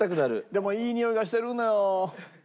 でもいいにおいがしてるんだよ。